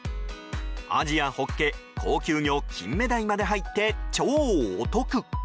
アジやホッケ、高級魚キンメダイまで入って超お得。